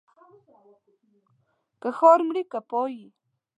که ښار مرې که پايي.